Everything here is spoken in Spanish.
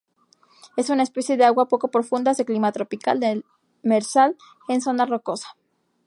Es una especie de agua poco profundas, de clima tropical, demersal en zona rocosa.